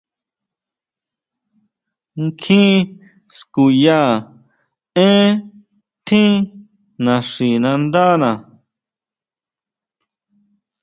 Kjín skuya énn tjín naxinándana.